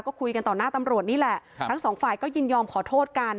ก็คุยกันต่อหน้าตำรวจนี่แหละทั้งสองฝ่ายก็ยินยอมขอโทษกัน